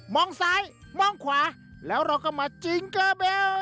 ซ้ายมองขวาแล้วเราก็มาจิงเกอร์เบล